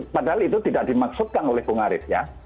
padahal itu tidak dimaksudkan oleh bung arief ya